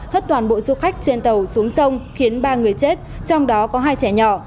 hất toàn bộ du khách trên tàu xuống sông khiến ba người chết trong đó có hai trẻ nhỏ